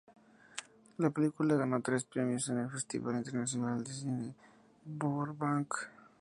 La película ganó tres premios en el Festival Internacional de Cine de Burbank.